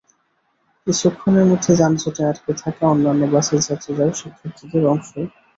কিছুক্ষণের মধ্যে যানজটে আটকে থাকা অন্যান্য বাসের যাত্রীরাও শিক্ষার্থীদের সঙ্গে অংশ নেন।